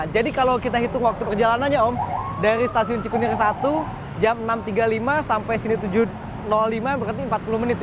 jadi kalau kita hitung waktu perjalanannya om dari stasiun cikunir i jam enam tiga puluh lima sampai sini tujuh lima berarti empat puluh menit ya